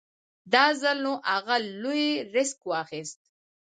دا ځل نو اغه لوی ريسک واخېست.